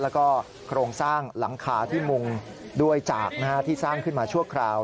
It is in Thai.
แล้วก็โครงสร้างหลังคาที่มุงด้วยจากที่สร้างขึ้นมาชั่วคราว